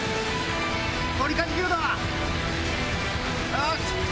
よし！